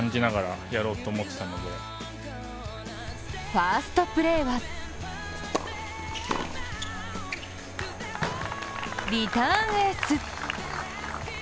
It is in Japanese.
ファーストプレーはリターンエース！